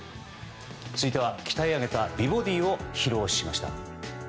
続いては、鍛え上げた美ボディーを披露しました。